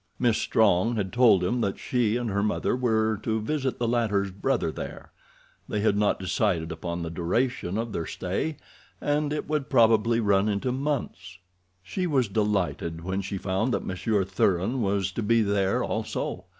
Miss Strong had told him that she and her mother were to visit the latter's brother there—they had not decided upon the duration of their stay, and it would probably run into months. She was delighted when she found that Monsieur Thuran was to be there also.